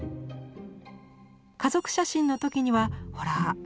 家族写真の時にはほら！